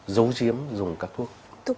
dấu diếm dùng các thuốc